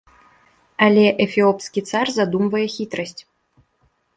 Але эфіопскі цар задумвае хітрасць.